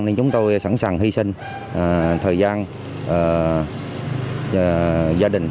nên chúng tôi sẵn sàng hy sinh thời gian gia đình